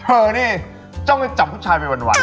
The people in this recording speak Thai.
เออนี่ต้องไปจับผู้ชายไปวัน